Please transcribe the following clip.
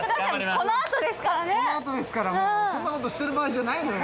このあとですからもうこんなことしてる場合じゃないのよ。